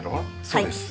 そうです。